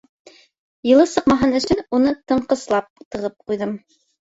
Йылы сыҡмаһын өсөн, уны тыңҡыслап тығып ҡуйҙым.